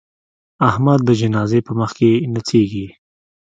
احمد د جنازې په مخ کې نڅېږي.